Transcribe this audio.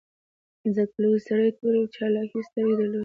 ځکه لوی سړي تورې او چالاکې سترګې درلودې